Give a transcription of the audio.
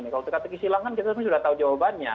kalau teka teki silang kan kita sudah tahu jawabannya